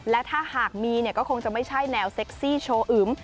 และถ้าหากมีเนี่ยก็คงจะไม่ใช่แนวเซ็กซี่โชว์อึม